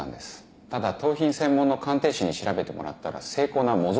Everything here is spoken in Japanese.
ただ盗品専門の鑑定士に調べてもらったら精巧な模造品でした。